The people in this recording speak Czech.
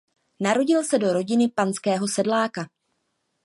Narodil se do rodiny panského sedláka.